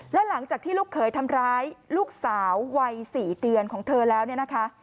และหลังจากที่ลูกเขยทำร้ายลูกสาววัย๔เดือนของเธอแล้วเนี่ยนะคะ